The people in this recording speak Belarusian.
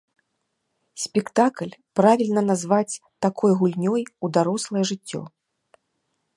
Спектакль правільна назваць такой гульнёй у дарослае жыццё.